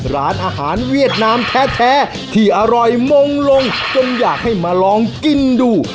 ร้านอาหารเวียดนามแท้ที่อร่อยมงลงจนอยากให้มาลองกินดู